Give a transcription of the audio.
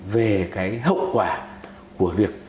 về hậu quả của việc